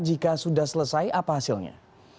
jika sudah selesai apa hasilnya